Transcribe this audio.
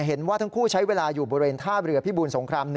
เห็นว่าทั้งคู่ใช้เวลาอยู่บริเวณท่าเรือพิบูลสงคราม๑